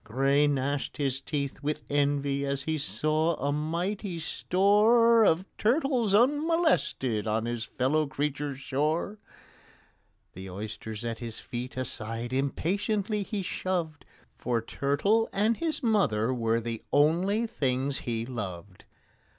GRAY gnashed his teeth with envy as he saw a mighty store Of turtle unmolested on his fellow creature's shore. The oysters at his feet aside impatiently he shoved, For turtle and his mother were the only things he loved.